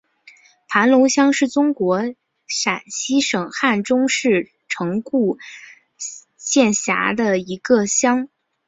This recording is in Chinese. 盘龙乡是中国陕西省汉中市城固县下辖的一个乡。